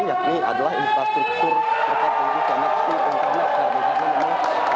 yakni adalah infrastruktur pertandingan koneksi internet